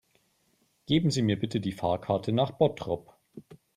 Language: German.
Geben Sie mir bitte die Fahrkarte nach Bottrop